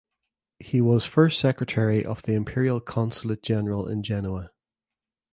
He was First Secretary of the Imperial Consulate General in Genoa.